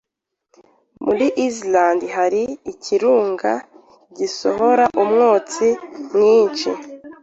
Muri Islande hari ikirunga gisohora umwotsi mwinshi.